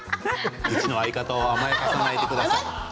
うちの相方を甘やかさないでください。